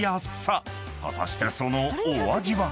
［果たしてそのお味は？］